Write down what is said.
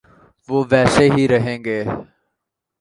‘وہ ویسے ہی رہیں گے۔